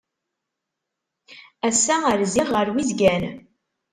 Ass-a rziɣ ɣer Wizgan.